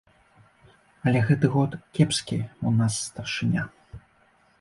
Але гэты год кепскі ў нас старшыня.